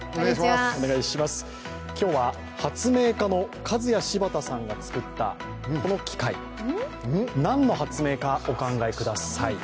今日は発明家のカズヤシバタさんが作ったこの機械、何の発明かお考えください。